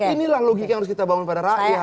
inilah logik yang harus kita bawa kepada rakyat